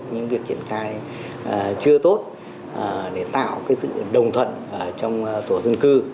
những việc triển khai chưa tốt để tạo sự đồng thuận trong tổ dân cư